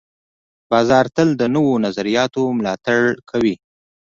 بازار تل د نوو نظریاتو ملاتړ کوي.